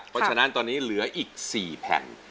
เพราะฉะนั้นตอนนี้เหลืออีก๔แผ่น